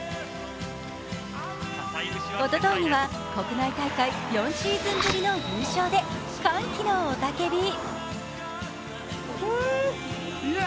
おとといには、国内大会４シーズンぶりの優勝で歓喜の雄たけび。